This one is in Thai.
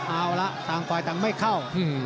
เออน่าต่างคนต่างไม่เข้า